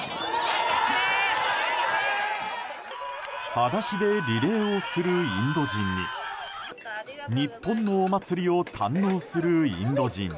裸足でリレーをするインド人に日本のお祭りを堪能するインド人。